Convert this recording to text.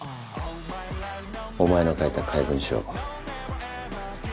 お前の書いた怪文書。